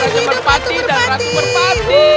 hanya merpati dan ratu merpati